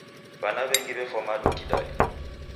W'ana w'engi w'efwa madu kidali.